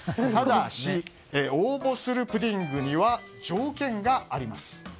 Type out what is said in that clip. ただし、応募するプディングには条件があります。